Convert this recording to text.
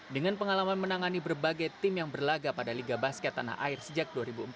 dengan pengalaman menangani berbagai tim yang berlaga pada liga basket tanah air sejak dua ribu empat